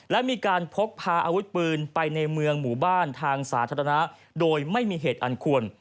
และมีการพกพาอาวุธปืนไปในเมืองหมู่บ้านทางสาธารณะโดยไม่มีเหตุอันควร